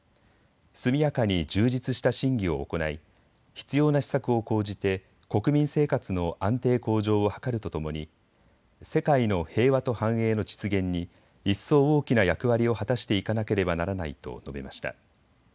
速やかに充実した審議を行い必要な施策を講じて国民生活の安定向上を図るとともに世界の平和と繁栄の実現に一層大きな役割を果たしていかなければならないと述べました。